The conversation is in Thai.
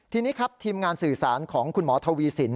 ทีนี้ครับทีมงานสื่อสารของคุณหมอทวีสิน